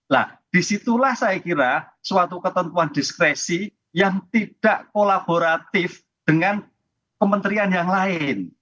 nah disitulah saya kira suatu ketentuan diskresi yang tidak kolaboratif dengan kementerian yang lain